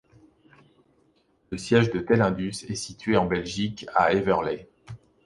Le siège de Telindus est situé en Belgique, à Heverlee.